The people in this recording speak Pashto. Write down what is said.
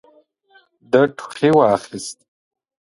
ده ټوخي واخيست.